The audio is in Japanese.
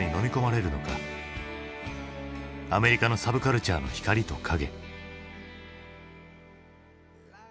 アメリカのサブカルチャーの光と影。